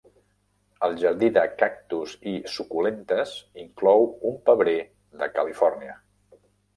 El Jardí de Cactus i Suculentes inclou un pebrer de Califòrnia.